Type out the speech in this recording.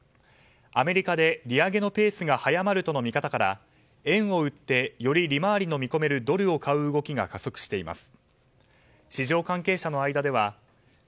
アメリカで利上げのペースが早まるとの見方から円を売ってより利回りの見込めるドルを買う動きが加速しています。